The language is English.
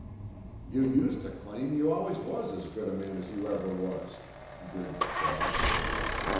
"You used to claim you always was as good a man as you ever was," grinned Claw.